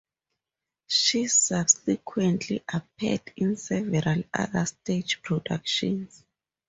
She subsequently appeared in several other stage productions.